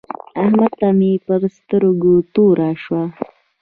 احمد ته مې پر سترګو توره شوه.